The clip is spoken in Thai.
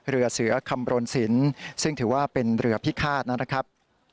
เรือเสือคำรณสินซึ่งถือว่าเป็นเรือพิฆาตนะครับ